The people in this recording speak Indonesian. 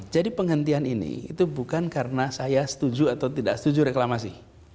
jadi penghentian ini bukan karena saya setuju atau tidak setuju reklamasi